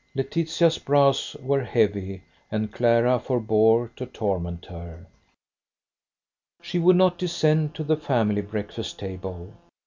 Laetitia's brows were heavy and Clara forbore to torment her. She would not descend to the family breakfast table.